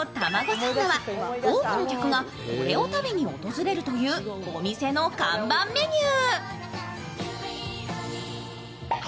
サンドは多くの客がｋろえを食べに訪れるというお店の看板メニュー。